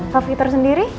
pak victor sendiri